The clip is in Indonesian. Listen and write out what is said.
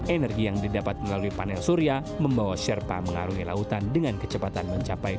energi yang didapat melalui panel surya membawa sherpa mengarungi lautan dengan kecepatan mencapai